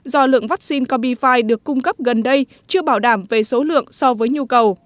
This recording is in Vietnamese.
do lượng vaccine combifi được cung cấp gần đây chưa bảo đảm về số lượng so với nhu cầu